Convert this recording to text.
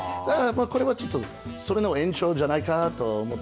これは、ちょっとその延長じゃないかなと思って。